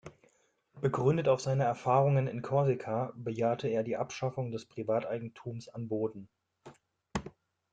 Begründet auf seine Erfahrungen in Korsika, bejahte er die Abschaffung des Privateigentums an Boden.